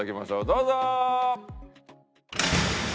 どうぞ！